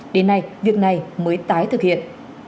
đến nay việc này mới tái thực hiện